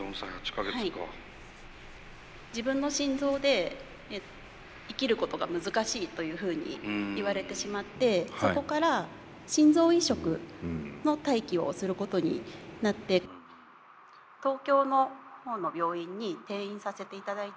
自分の心臓で生きることが難しいというふうに言われてしまってそこから心臓移植の待機をすることになって東京の方の病院に転院させていただいて。